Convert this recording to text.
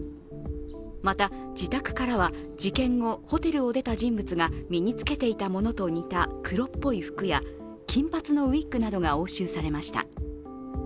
また自宅からは事件後ホテルを出た人物が身につけていたものと似た黒っぽい服や金髪のウイッグなどが押収されました。